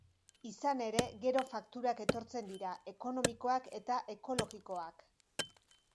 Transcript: Izan ere, gero fakturak etortzen dira, ekonomikoak eta ekologikoak.